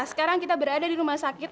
sekarang kita berada di rumah sakit